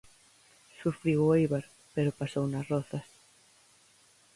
Sufriu o Éibar, pero pasou nas Rozas.